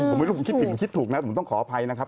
ผมไม่รู้ผมคิดผิดผมคิดถูกนะผมต้องขออภัยนะครับ